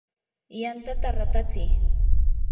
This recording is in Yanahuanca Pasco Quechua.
yantata ratatsi.